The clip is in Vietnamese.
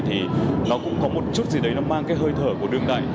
thì nó cũng có một chút gì đấy nó mang cái hơi thở của đương đại